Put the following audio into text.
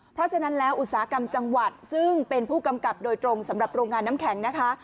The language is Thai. เพราะฉะนั้นแล้วอุตสาหกรรมจังหวัดซึ่งเป็นผู้กำกับโดยตรงสำหรับโรงงานน้ำแข็งนะคะ